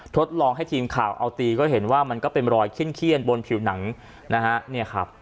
ทดลองให้ทีมข่าวเอาตีก็เห็นว่ามันก็เป็นรอยเขี้ยนบนผิวหนังนะฮะเนี่ยครับ